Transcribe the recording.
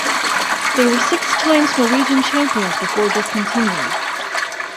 They were six times Norwegian Champions before discontinuing.